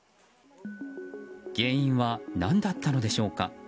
原因は何だったのでしょうか。